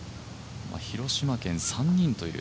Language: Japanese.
広島県３人という。